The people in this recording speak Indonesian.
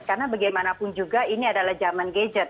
karena bagaimanapun juga ini adalah zaman gadget